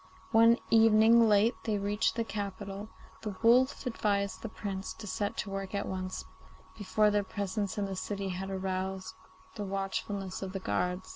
One evening late they reached the capital, and the wolf advised the Prince to set to work at once, before their presence in the city had aroused the watchfulness of the guards.